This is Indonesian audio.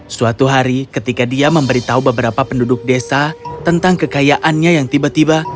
suatu hari ketika dia memberitahu beberapa penduduk desa tentang kekayaannya yang tiba tiba